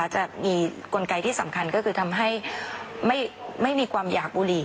จะมีกลไกที่สำคัญก็คือทำให้ไม่มีความอยากบุหรี่